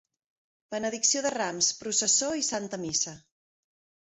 Benedicció de Rams, processó i Santa missa.